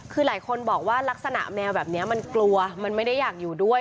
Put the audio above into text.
คือหลายคนบอกว่าลักษณะแมวแบบนี้มันกลัวมันไม่ได้อยากอยู่ด้วย